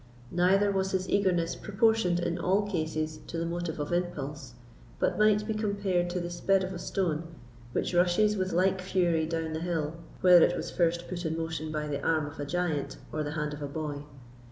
Neither was his eagerness proportioned in all cases to the motive of impulse, but might be compared to the speed of a stone, which rushes with like fury down the hill whether it was first put in motion by the arm of a giant or the hand of a boy.